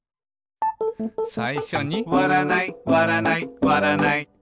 さいしょに「わらないわらないわらない」